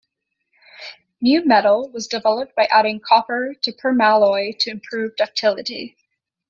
Mu-metal was developed by adding copper to permalloy to improve ductility.